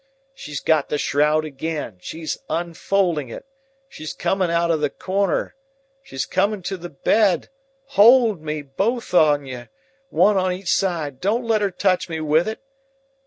She's got the shroud again. She's unfolding it. She's coming out of the corner. She's coming to the bed. Hold me, both on you—one of each side—don't let her touch me with it.